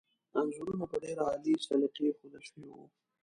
انځورونه په ډېر عالي سلیقې ایښودل شوي وو.